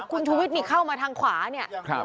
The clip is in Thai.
คุณชูวิทย์นี่เข้ามาทางขวาเนี่ย